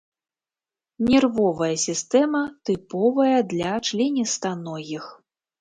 Нервовая сістэма тыповая для членістаногіх.